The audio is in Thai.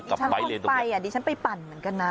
เปล่าใบเลนท์ตรงนี้ดิฉันคงไปอะดิฉันไปผ่านเหมือนกันนะ